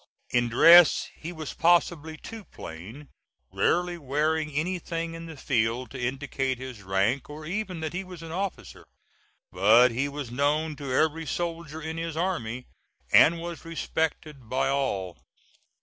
In dress he was possibly too plain, rarely wearing anything in the field to indicate his rank, or even that he was an officer; but he was known to every soldier in his army, and was respected by all.